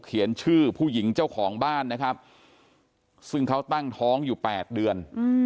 เขียนชื่อผู้หญิงเจ้าของบ้านนะครับซึ่งเขาตั้งท้องอยู่๘เดือน